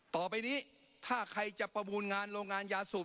ต่อไปนี้ถ้าใครจะประมูลงานโรงงานยาสูบ